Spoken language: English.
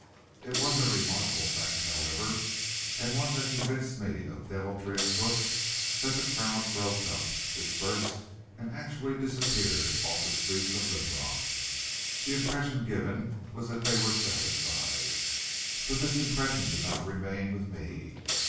It was a remarkable fact, however, and one that convinced me of deviltry afoot, that the crowd broke up, dispersed, and actually disappeared off the streets of Linrock. The impression given was that they were satisfied. But this impression did not remain with me.